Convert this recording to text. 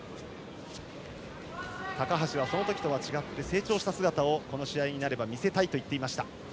高橋は、その時とは違って成長した姿をこの試合で見せたいといっていました。